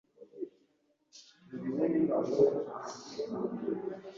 Bayizi bannange musseeko nnyo omwoyo ate mwefuge awo mujja kuwangula.